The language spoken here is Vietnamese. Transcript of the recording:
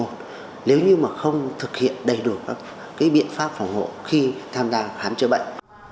nếu như mà không thực hiện đầy đủ các biện pháp phòng hộ khi tham gia khám chữa bệnh